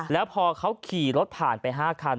แล้วพอเขาขี่รถผ่านไป๕คัน